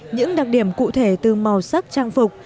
những đặc điểm cụ thể từ màu sắc trang phục